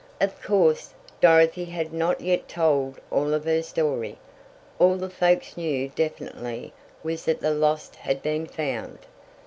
Of course, Dorothy had not yet told all of her story all the folks knew definitely was that the lost had been found.